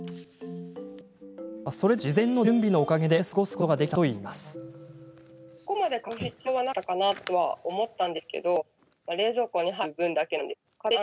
それでも事前の準備のおかげで村井さんは、安心して過ごすことができたといいます。